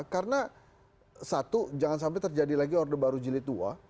karena satu jangan sampai terjadi lagi orde baru jilid ii